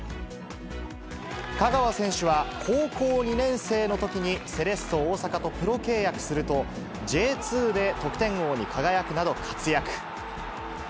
香川選手は高校２年生のときにセレッソ大阪とプロ契約すると、Ｊ２で得点王に輝くなど活躍。